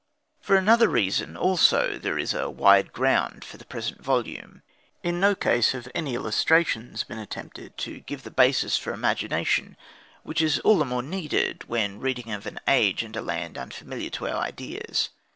For another reason also there is a wide ground for the present volume. In no case have any illustrations been attempted, to give that basis for imagination which is all the more needed when reading of an age and a land unfamiliar to our ideas.